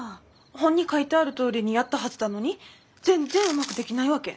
本に書いてあるとおりにやったはずだのに全然うまくできないわけ。